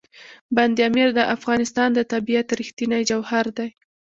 بند امیر د افغانستان د طبیعت رښتینی جوهر دی.